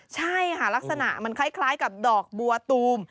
ใช่ค่ะลักษณะมันคล้ายกับดอกบัวตูม